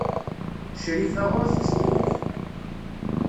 Crifa ur tettkeyyif.